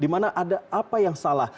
di mana ada apa yang salah